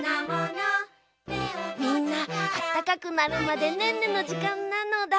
みんなあったかくなるまでねんねのじかんなのだ。